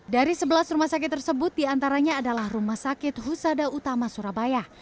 dari sebelas rumah sakit tersebut diantaranya adalah rumah sakit husada utama surabaya